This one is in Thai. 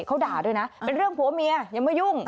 เขาด่าด้วยนะเป็นเรื่องผัวเมียอย่ามายุ่ง